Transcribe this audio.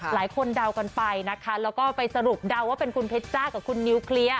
เดากันไปนะคะแล้วก็ไปสรุปเดาว่าเป็นคุณเพชรจ้ากับคุณนิวเคลียร์